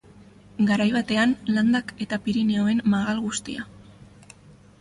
Garai batean Landak eta Pirinioen magal guztia.